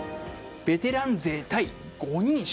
ベテラン勢対５人衆。